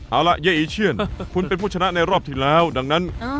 เอาละเย้อีเชียนคุณเป็นผู้ชนะในรอบที่แล้วดังนั้น